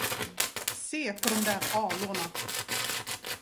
Se på de där alorna!